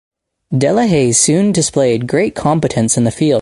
Delehaye soon displayed great competence in the field.